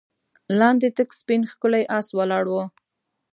لاندې تک سپين ښکلی آس ولاړ و.